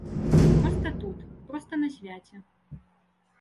Проста тут, проста на свяце.